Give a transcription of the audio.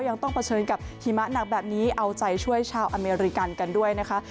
ยังต้องเผชิญกับหิมะหนักแบบนี้เอาใจช่วยชาวอเมริกันกันด้วยนะคะ